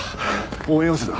応援要請だ。